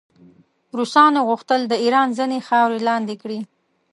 روسانو غوښتل د ایران ځینې خاورې لاندې کړي.